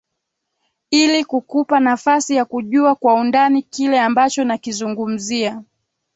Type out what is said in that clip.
Ili kukupa nafasi ya kujua kwa undani kile ambacho nakizungumzia